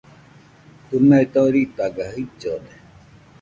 ɨme doritaga jillode